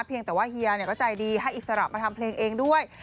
เพียงแต่ว่าเฮียก็ใจดีให้อิสระมาทำเพลงเองด้วย